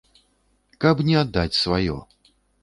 Каб не аддаць сваё.